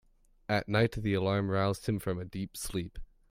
At night the alarm roused him from a deep sleep.